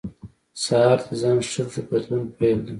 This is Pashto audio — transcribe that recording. سهار د ځان ښه بدلون پیل دی.